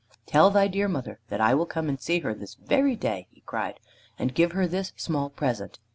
"Tell thy dear mother that I will come and see her this very day," he cried, "and give her this small present."